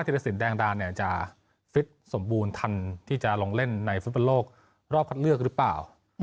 รสินแดงดาเนี่ยจะฟิตสมบูรณ์ทันที่จะลงเล่นในฟุตบอลโลกรอบคัดเลือกหรือเปล่า